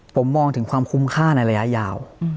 ผมมองถึงความคุ้มค่าในระยะยาว